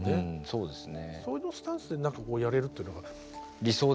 そうですね。